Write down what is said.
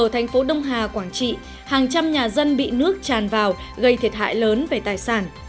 trong hà quảng trị hàng trăm nhà dân bị nước tràn vào gây thiệt hại lớn về tài sản